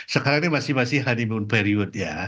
sekarang ini masih masih honeymoon period ya